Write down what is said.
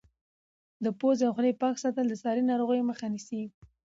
د پوزې او خولې پاک ساتل د ساري ناروغیو مخه نیسي.